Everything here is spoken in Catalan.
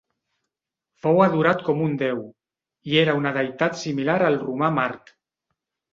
Fou adorat com un deu i era una deïtat similar al romà Mart.